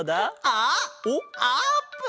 あっあーぷん！